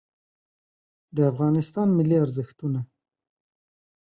د افغانستان ملي ارزښتونه